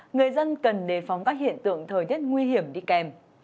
người dân cần đề phóng các hiện tượng thời tiết nguy hiểm đi kèm